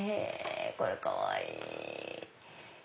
これかわいい！